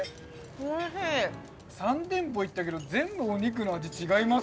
３店舗行ったけど全部お肉の味違いますね。